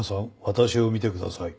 私を見てください。